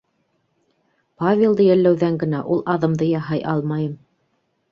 Павелды йәлләүҙән генә ул аҙымды яһай алмайым.